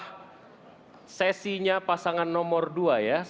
ini adalah sesinya pasangan nomor dua ya